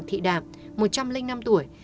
thị đạm một trăm linh năm tuổi